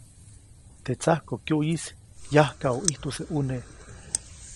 Teʼ tsajkokyuʼyis yajkaʼu ʼijtujse ʼuneʼ.